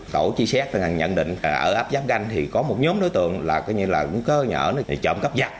tổ tri xét đã nhận định ở áp giáp ganh thì có một nhóm đối tượng là cơ nhở trộm cấp giáp